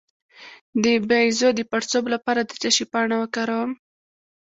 د بیضو د پړسوب لپاره د څه شي پاڼه وکاروم؟